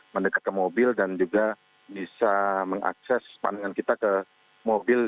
mendekat ke mobil dan juga bisa mengakses pandangan kita ke mobil